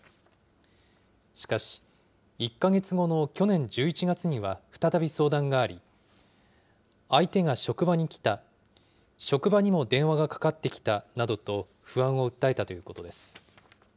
しかし、１か月後の去年１１月には再び相談があり、相手が職場に来た、職場にも電話がかかってきたなどと不安を訴えたということです。